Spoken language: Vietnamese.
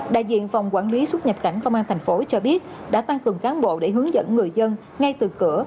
đại diện phòng quản lý xuất nhập cảnh công an tp hcm cho biết đã tăng cường cán bộ để hướng dẫn người dân ngay từ cửa